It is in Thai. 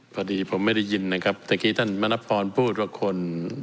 พอดีผมไม่ได้ยินนะครับเมื่อกี้ท่านมณพรพูดว่าคน